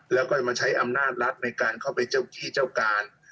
แล้วก็จะมาใช้อำนาจรัฐในการเข้าไปเจ้าที่เจ้าการ